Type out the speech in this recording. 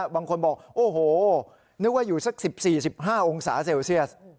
บางคนบอกโอ้โหนึกว่าอยู่สัก๑๔๑๕องศาเซลเซียส